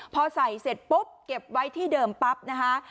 พอใส่เสร็จปุ๊บเก็บไว้ที่เดิมปั๊บนะคะ